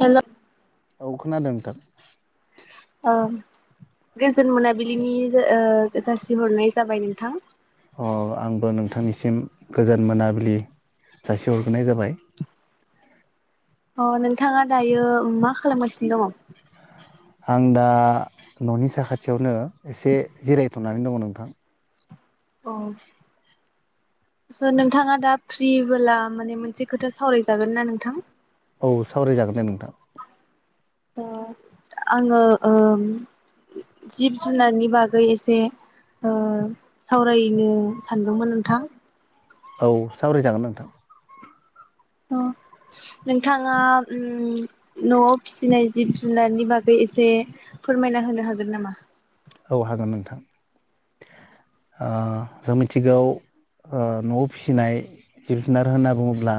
हेल' औ खोनादों। नोंथां। ओ गोजोन मोनाबिलिनि ओ जासिहरनाय जाबाय नोंथां। अ' आंबो नोंथांनिसिम गोजोन मोनाबिलि जासिहरग्रोनाय जाबाय। अ' नोंथाङा दायो मा खालामगासिनो दङ? आं दा न'नि साखाथियावनो एसे जिरायथ'नानै दङ नोंथां। औ स' नोंथाङा दा फ्रिबोला माने मोनसे खोथा सावरायजागोन ना नोंथां? औ सावरायजागोन दे नोंथां। ओ आंङो ओम जिब जुनारनि बागै एसे सावरायनो सानदोंमोन नोंथां औ सावराय जागोन नोंथां। उम नोंथाङा उम न'आव फिसिनाय जिब जुनारनि बागै एसे फोरमायना होनो हागोन नामा? औ हागोन नोंथां ओ जों मिथिगौ ओ न'आव फिसिनाय जिब जुनार होनना बुङोब्ला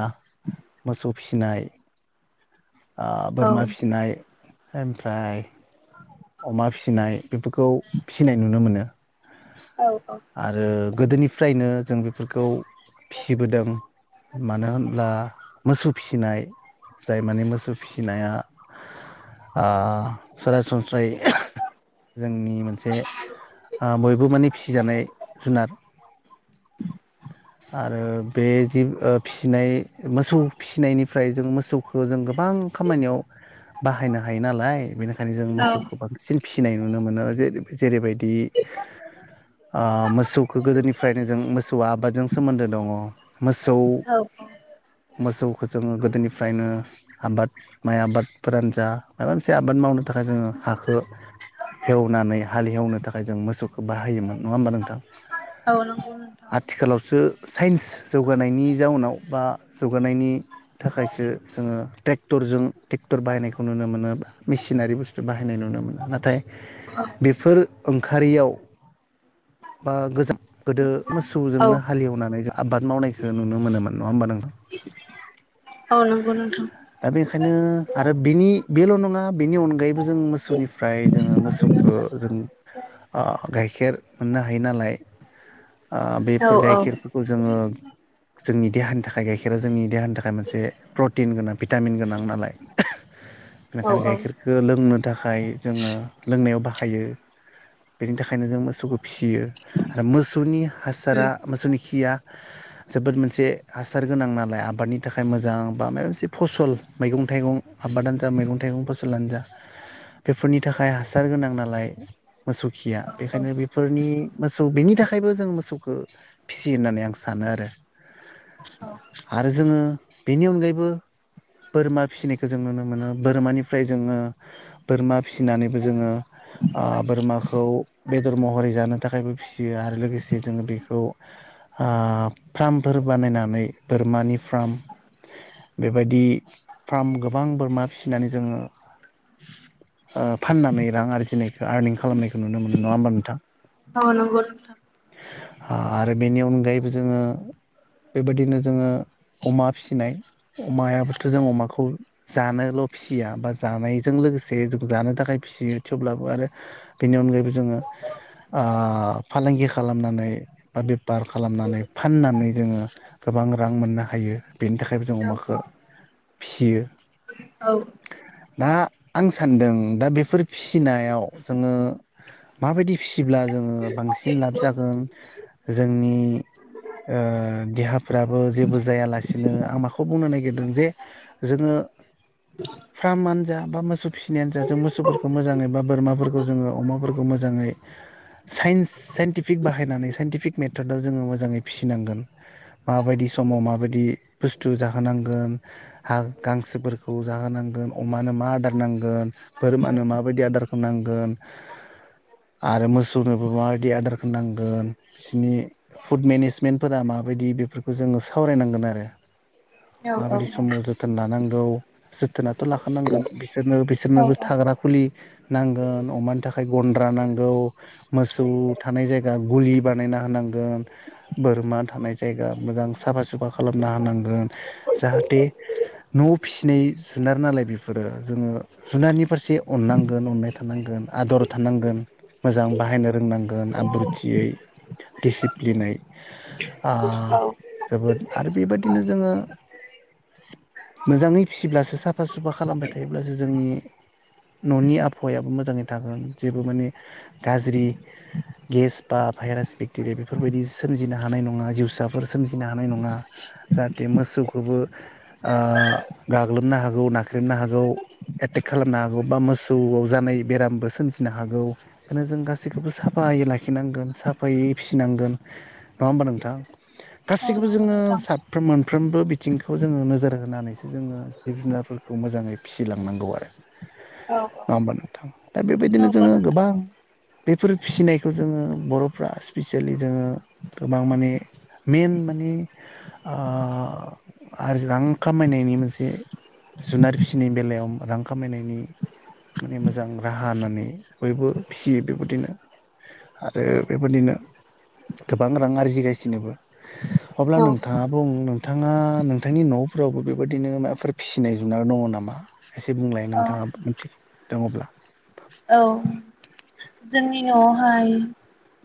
मोसौ फिसिनाय ओ औ बोरमा फिसिनाय ओमफ्राय अमा फिसि नाय बेफोरखौ फिसिनाय नुनो मोनो। औ आरो गोदोनिफ्रायनो जों बेफोरखौ फिसिबोदों मानो होनब्ला मोसौ फिसिनाय जाय माने मोस फिसिनाया आह सरासनस्रायै जोंनि मोनसे ओ बयबो माने फिसिजानाय जुनाद। आरो बे जि ओ फिसिनाय मोसौ फिसिनायनिफ्राय जों मोसौखो गोबां खामानियाव बाहायनो हायो नालाय बेनिखायनो जों मोसौखौ औ बांसिन फिसिनाय नुनो मोनो ओरै जेरैबाय दि आह मोसौखौ गोदोनिफ्रायनो जों मोसौआ आबादजों सोमोन्दो दङ मोसौ औ मोसौखो जोङो गोदोनिफ्रायनो आबाद माइ आबादफोरानो जा माबा मोनसे आबाद मावनो थाखाय जोङो हाखो हेवनानै हालेवनो थाख खाय जों मोसौखो खौ बाहायोमोन नङा होमबा नोंथां औ नंगौ नोंथां आथिखालावसो साइन्स जौगानायनि जाउनाव बा जौगानायनि थाखायसो जोङो टेक्टरजों टेक्टर बाहायनायखौ नुनो मोनो मेसिनारि बुस्थु बाहायनाय नुनो मोनो नाथाय बेफोर ओं खारैयाव बा गोजाम गोदो औ मोसौजोंनो हालेवनानै जों आबाद मावनायखो नुनो मोनोमोन नङा होमबा नोंथां औ दा बेखायनो आरो बिनि बेल' नं बेनि अनगायैबो जों मोसौनिफ्राय जोङो मोसौखो जों आह गाइखेर ना हायो नालाय ओ औ बेफोर गाइखेरफोरखौ जोङो जोंनि देहानि थाखाय गाइखेरा जोंनि देहानि थाखाय मोनसे प्रटिन गोनां भिटामिन गोनां नालाय औ इनिखायनो गाइखेरखो लोंनो थाखाय जोङो लोंनायाव बाह हायो बेनि थाखायनो जों मोसौखो बियो मोसौनि हासारा मोसौनि खि खिया जोबोद मोनसे हासार गोनां नालाय आबादनि थाखाय मोजां बा मायबा मोनसे फसल मैगं थाइगं आबादानो जा मैगं थाइगं फसलानो जा बेफोरनि थाखाय हासार गोनां नालाय मोसौ खिया बेखायनो बे फोरनि मोसौ बेनि थाखायबो जों मोसौखो फिसियो होननानै आं सानो आरो आरो जोङो बेनि अनगायैबो बोरमा फिसिनायखो जों नुनो मोनो बोरमानिफ्राय जोङो बोरमा फिसिनानैबो जोङो ओ बोरमाखौ बेदर म हरै जानो थाखायबो फिसियो आरो लोगोसे जोङो बेखौ आ फ्रामफोर बानायनानै बोरमानि फ्राम बेबायदि फार्म गोबां बोरमा फिसिनानै जोङो ओ फाननानै रां आरजिनायखौ आरनिं खालामनायखौ नुनो मोनो नङा होमबा नोंथां? औ नंगौ नोंथां हा आरो बेनि अनगायैबो जोङो बेबायदिनो जोङो अमा फिसिनाय अमायाबोथ' जों अमाखौ जानोल फिसिया बा जानायजों लोगोसे जों जानो थाखाय फिसियो थेवब्लाबो आरो बेनि अनगायैबो जोङो ओ फालांगि खालामनानै बा बेपार खालामनानै फाननानै जोङो गोबां रां मोननो हायो बेनि थाखायबो जों औ अमाखो फियो। औ दा आं सानदों दा बेफोर फिसिनायाव जोङो माबायदि फिसिब्ला जोङो बांसिन लाब जागोन जोंनि ओ देहाफ्राबो जेबो जायालासिनो आं माखौ बुंनो नागिरदों जे जोङो फ्रामानो जा बा मोसौ फिसिनायानो जा जों मोसौफोरखौ मोजाङै बा बोरमाफोरखौ जोङो अमाफोरखौ मोजाङै साइन्स सेइन्टेफिक बाहायनानै सेइन्टेफिक मेथदआव जोङो मोजाङै फिसिनांगोन माबायदि समाव माबायदि बुस्थु जाहोनांगोन हां गांसोफोरखौ जाहोनांगोन अमानो मा आदार नांगोन बोरमानो माबायदि आदारखौ नांगोन आरो मोसौनोबो माबायदि आदारखोनांगोन बिसिनि फुड मेनेजमेन्टफोरा माबायदि बेफोरखौ जोङो सावरायनांगोन आरो। औ नंगौ नोंथां माबायदि समाव जोथोन लानांगौ जोथोनाथ' लाखानांगोन बिस सोरनो बिसोरनोबो औ थाग्रा खुलि नांगोन अमानि थाखाय गन्द्रा नां गौ मोसौ थानाय जायगा गुलि बानायना होनांगोन बोरमा थानाय जायगा मोजां साफा सुफा खालामना होनांगोन जाहाथे न' फिसिनाय जुनार नालाय बेफोरो जोङो जुनारनि फारसे अननांगोन अननाय थानांगोन आदर थानांगोन मोजां बाहायनो रोंनांगोन आब्रुथियै दिसिप्लिनै आ जोबोद आरो बेबादिनो जोङो मोजाङै फिसिब्लासो साफा सुफा खालामबाय थायोब्लासो जोंनि न'नि आबहावायाबो मोजाङै थागोन जेबो माने गाज्रि गेस बा भाइरास बेक्टेरिया बेफोरबायदि सोमजिनो हानाय नङा जिउसाफोर सोमजिनो हानाय नङा जाहाथे मोसौखौबो ओ गाग्लोबनो हागौ नाख्रेबनो हागौ एटेक खालामनो हागौ बा मोसौआव जानाय बेरामबो सोमजिनो हागौ बेखायनो जों गासैखौबो साफायै लाखिनांगोन साफायै फिसिनांगोन नङा होमबा नोंथां। गासिबखौबो जोङो साफ्रोम मोनफ्रोमबो बि थिंखौ जोङो नोजोर होनानैसो जोङो जिब जुनारफोरखौ मोजाङै फिसिलांनांगौ आरो नङा औ होमबा नोंथां दा बेबायदिनो नंगौ जोङो नोंथां गोबां बेफोर फिसिनायखौ जोङो बर'फ्रा स्पिसियेलि जोङो गोबां माने मेइन माने ओ हाजिरां खामायनायनि मोनसे जुनार फिसिनायनि बेलायाव रां खामायनायनि माने मोजां राहा होननानै बयबो फिसियो बेबायदिनो आरो बेबायदिनो गोबां रां आरजिगासिनोबो अब्ला नोंथाङा बुं नों थाङा नोंथांनि न'फोरावबो बेबायदिनो मायबाफोर फिसिनाय जुनार दङ' नामा एसे बुंलाय औ नोंथाङाबो मिथि दङ'ब्ला औ जोंनि न'आवहाय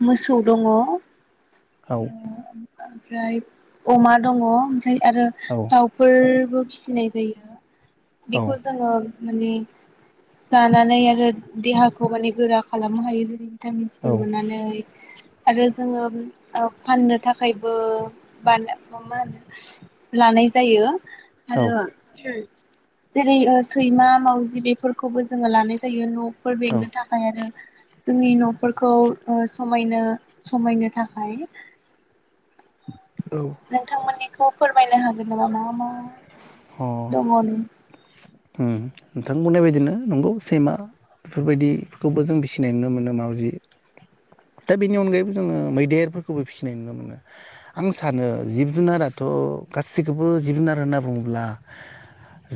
मोसौ दङ औ ओमफ्राय अमा दङ' [unintelligible] आरो औ दाउफोर बो फिसिनाय जायो। औ बेखौ जोङो माने जानानै आरो देहाखौ माने गोरा खालामनो हायो जेरै- भिटामिनफोर औ मोननानै आरो जोङो ओ फाननो थाखाय बो बाना मा मा होनो लानाय जायो औ आरो [unintelligible] जेरै- ओ सैमा मावजि बेफोरखौबो जोङो लानाय जायो न' फोर औ बेंनो थाखाय आरो जोंनि न'फोरखौ ओ समायनो समायनो थाखाय नोंथांमोननि खौ फोरमायनो हागोन नामा मा मा अ दङ नों उम नोंथां बुंनाय बायदिनो नंगौ सैमा बेफोरबायदिखौबो जों फिसिनाय नुनो मोनो माउजि । दा बेनि अनगायैबो जोङो मैदेरफोरखौबो फिसिनाय नुनो मोनो । आं सानो जिब जुनाराथ' गासिखौबो जिब जुनार होनना बुङो। ब्ला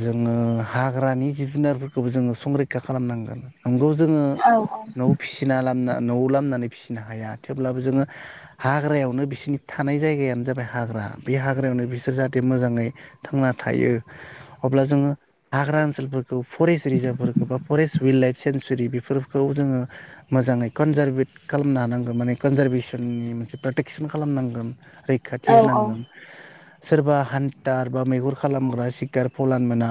जोंङो हाग्रानि जिब जुनारफोरखौबो जोंङो संरैखा खालामनांगोन नंगौ जोंङो औ नआव फिसिना लाबना न'आव लाबनानै फिसिनो हाया थेवब्लाबो जोंङो हाग्रायावनो बिसोरनि थानाय जायगायानो जाबाय हाग्रा बे हाग्रायावनो बिसोर जाहाथे मोजाङै थांना थायो अब्ला जोंङो हाग्रा ओनसोलफोरखौ फरेस्ट रिजार्भफोरखौ बा फरेस्ट विल्ड लाइफ सेेंसुरि बेफोरखौ जोंङो मोजाङै कनजारभेट खालामनो हानांगो माने कनजारभेसननि मोनसे प्रटेकसन खालामनांगोन। रैखाथि औ औ होनांगोन। सोरबा हान्टार बा मैहुर खालामग्रा सिकार फलान मोना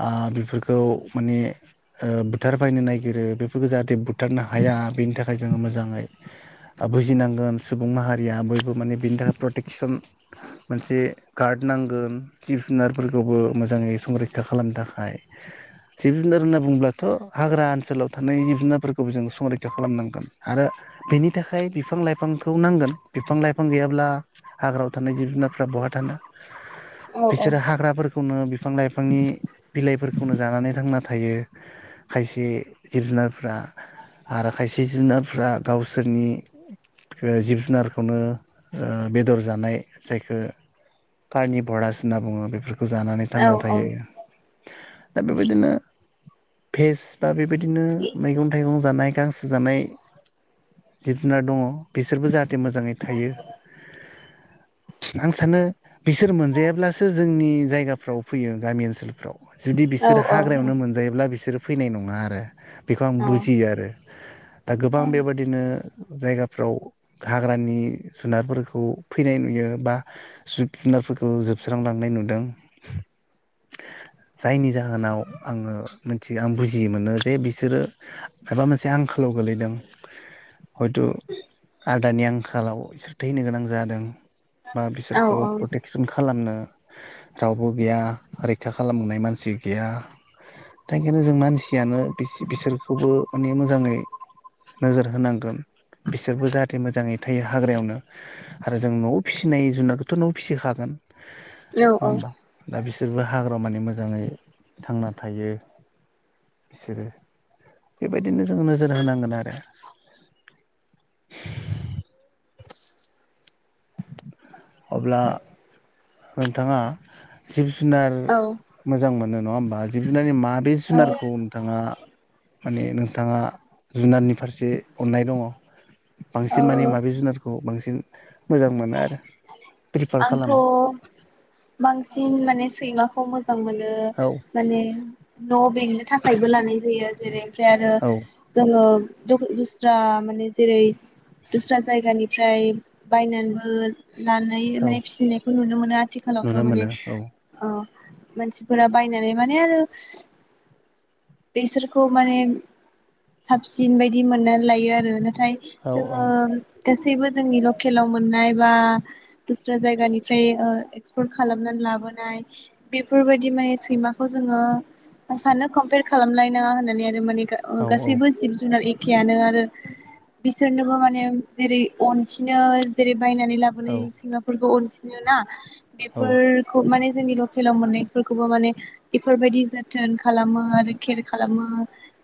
ओ बेफोरखौ माने ओ बुथारबायनो नागिरो बेफोरखौ जाहाथे बुथारनो हाया बेनि थाखाय जोंङो मोजाङै बुजिनांगोन सुबुं माहारिया बयबो माने बिनि थाखाय प्रटेकसन मोनसे गार्ड नांगोन। जिब जुनारफोरखौबो मोजाङै संरैखा खालामनो थाखाय जिब जुनार होनना बुंब्लाथ हाग्रा ओनसोलाव थानाय जिब जुनारफोरखौबो जों संरैखा खालामनांगोन आरो बेनि थाखाय बिफां लाइफांखौ नांगोन बिफां लाइफां गैयाब्ला हाग्रायाव थानाय जिब जुनारफ्रा बहा थानो औ बिसोरो हाग्राफोर खौनो बिफां लाइफांनि बिलाइफोरखौनो जानानै थांना थायो खायसे जिब जुनारफ्रा आरो खायसे जिब जुनारफ्रा गावसोरनि ओ जिब जुनारखौनो ओ बेदर जानाय जायखो कारनिभरास होनना बुङो बेफोर खौ जानानै औ थांना थायो। दा बेबायदिनो भेस बा बेबायदिनो मैगं थाइगं जानाय गांसो जानाय जिब जुनार दंङ बिसोरबो जाहाथे मोजाङै थायो आं सानो बिसोर मोनजायाब्ला सो जोंनि जायगाफ्राव फैयो गामि ओनसोलफ्राव जुदि बिसोर औ हाग्रायावनो मोनजायोब्ला बिसोर फैनाय नंङा आरो बेखौ आं औ बुजियो आरो दा गोबां औ बेबादिनो जायगाफ्राव हाग्रानि जुनारफोरखौ फैनाय नुयो बा जिब जुनारफोरखौ जोब स्रांलांनाय नुदों जायनि जाहोनाव आंङो मोनथि आं बुजि मोनो जे बिसोरो माबा मोनसे आंखालाव गोलैदों हयटु आदारनि आंखालाव इसोर थैनो गोनां जादों। बा औ बिसोरखौ प्रटेकसन खा नो रावबो गैया रैखा खालामनाय मानसि गैया दा इखायनो जों मानसियानो बिसो-बिसोरखौबो माने मोजाङै नोजोर होनांगोन बिसोरबो जाहाथे मोजाङै थायो हाग्रायावनो आरो जों न'आव फिसिनाय जुनादखौथ नआव फिसिखागोन। नंङा औ होमबा दा बि सोरबो हाग्रामानि मोजाङै थांना थायो बिसोरो बेबायदिनो जों नोजोर होनांगोन आरो। अब्ला नोंथाङा जिब जुनार औ मोजां मोनो नङा होम बा जिब जुनारनि मा बे औ जुनारखौ नोंथाङा माने नोंथाङा जुनारनि फारसे अननाय दंङ बांसिन माने औ माबे जुनारखौ बां सिन मोजां मोनो आरो। प्रिफार आंथ' खालामो बां सिन माने सैमाखौ मो जां मोनो औ माने न' बेंनो थाखायबो लानाय जायो। जेरै ओमफ्राय आरो औ जोंङो दु-दुस्रा माने जेरै दुस्रा जायगानिफ्राय बायनानैबो लानो नाय औ माने फिसिनायखौ नुनो मोनो नुनो आथिखालावथ' माने मोनो औ ओ मानसिफोरा बायनानै माने आरो बेसोरखौ माने साबसिन बायदि मोननानै लायो आरो नाथाय औ जोंङो गासै गासैबो जोंनि लकेलाव मोननाय बा दस्रा जायगानिफ्राय ओ एक्सपर खालामनानै लाबोनाय बेफोरबायदि माने सैमाखौ जोङो आं सानो कमपेयार खालामलायनाङा होननानै आरो माने ओ औ गासैबो जिब जुनार ए खेयानो आरो बिसोरनोबो माने जेरै अनसिनो जेरै बायनानै औ लाबोनाय फोरखौ अनसिनो ना? औ बेफोरखौ माने जोंनि लकेलाव मोननायफोरखौबो माने बेफोरबायदि जोथोन खालामो आरो केयार खालामो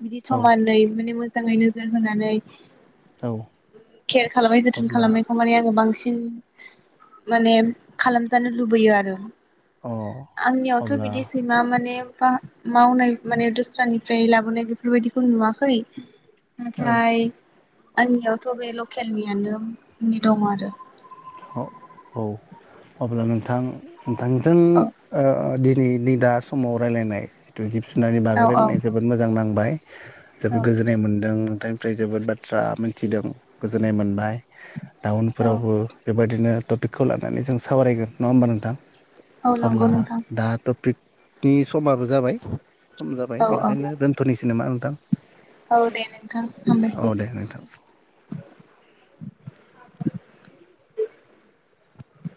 बिदि औ समानै माने मोजां मोजाङै नोजोर होनानै औ केयार खालामनाय जोथोन अब्ला खालामनायखौ माने आङो बांसिन उम माने खालामजानो लुबैयो आरो अ आंनियावथ' अब्ला बिदि सैमा माने बा मावनाय माने दस्रानिफ्राय लाबोनाय बेफोरबायदिखौ नुवाखै। औ नाथाय आंनियावथ' बे लकेलनियानो दङ आरो औ अब्ला नोंथां नोंथांजों औ ओ दिनै नै दा समाव रायज्लायनाय दुगि फिननानै औ बागै रायलायनाय जोबोद मोजां नांबाय औ जोबोद गोजोननाय मोनदों। थांनिफ्राय जोबोद बाथ्रा मोनथिदों। गोजोननाय मोनबाय औ टाउनफोरावबो बिदिनो टपिकखौ लानानै जों सावरायगोन नङा होमबा नोंथां? औ नंगौ अब्ला नोंथां दा टपिक दि समाबो जाबाय सम जाबाय औ औ बेनिखायनो दोन्थ'निसै मा नोंथां? [inaudible] औ दे नोंथां हामबाय औ सै। दे नोंथां